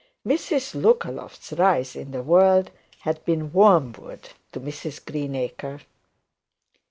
Mrs Lookaloft's rise in the world had been wormwood to Mrs Greenacre.